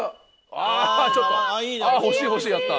ああちょっとあっ欲しい欲しいやった。